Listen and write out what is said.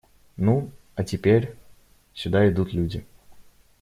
Ну, а теперь… сюда идут люди.